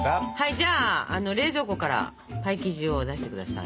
じゃあ冷蔵庫からパイ生地を出して下さい。